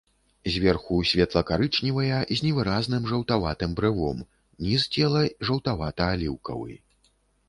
Зверху светла-карычневая з невыразным жаўтаватым брывом, ніз цела жаўтавата-аліўкавы.